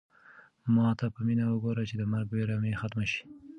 ما ته په مینه وګوره چې د مرګ وېره مې ختمه شي.